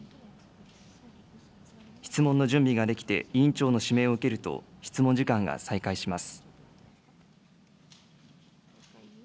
質問の準備ができて、委員長の指名を受けると、質問時間が再開します。